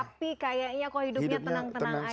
tapi kayaknya kok hidupnya tenang tenang aja